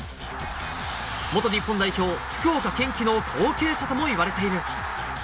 元日本代表・福岡堅樹の後継者とも言われている。